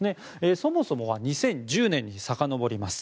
そもそもは２０１０年にさかのぼります。